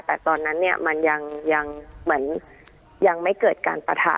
แต่ตอนนั้นเนี่ยมันยังไม่เกิดการปะท้า